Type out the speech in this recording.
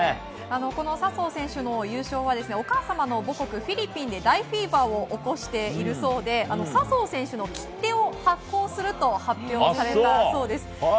笹生選手の優勝はお母様の母国フィリピンで大フィーバーを起こしているそうで、笹生選手の切手を発行すると発表されたそうです。